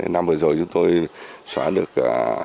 năm vừa rồi chúng tôi xóa được năm